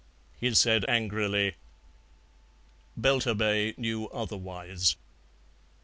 he said angrily. Belturbet knew otherwise.